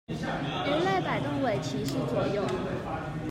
魚類擺動尾鰭是左右